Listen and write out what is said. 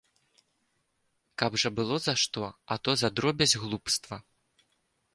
Каб жа было за што, а то за дробязь, глупства.